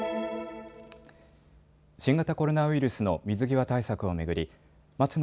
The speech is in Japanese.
新型コロナウイルスの水際対策を巡り松野